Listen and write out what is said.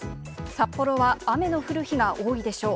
札幌は雨の降る日が多いでしょう。